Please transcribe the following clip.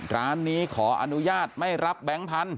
ร้านนี้ขออนุญาตไม่รับแบงค์พันธ